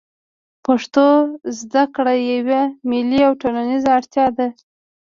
پښتو زده کړه یوه ملي او ټولنیزه اړتیا ده